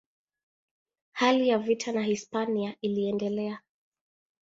Hali ya vita na Hispania iliendelea.